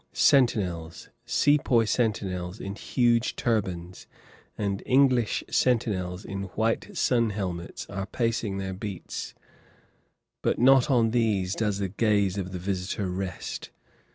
Sentinels Sepoy sentinels in huge turbans, and English sentinels in white sun helmets are pacing their beats. But not on these does the gaze of the visitor rest.